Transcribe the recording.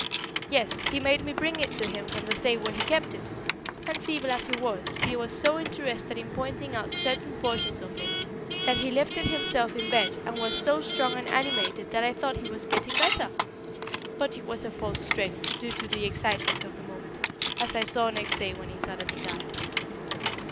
"Yes; he made me bring it to him from the safe where he kept it; and, feeble as he was, he was so interested in pointing out certain portions of it that he lifted himself in bed and was so strong and animated that I thought he was getting better. But it was a false strength due to the excitement of the moment, as I saw next day when he suddenly died."